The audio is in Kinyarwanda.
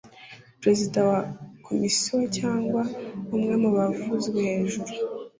perezida wa komisiyo cyangwa umwe mu bavuzwe hejuru